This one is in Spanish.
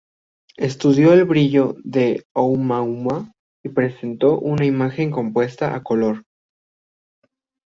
Estudió el brillo de ʻOumuamua y presentó una imagen compuesta a color.